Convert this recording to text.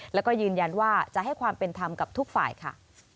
แล้วก็ยืนยันว่าจะให้ความเป็นธรรมกับทุกฝ่ายค่ะ